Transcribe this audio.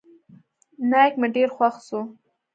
نايک مې ډېر خوښ سو.